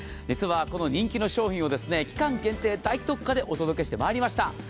実はこの人気の商品をですね期間限定大特価でお届けして参りました。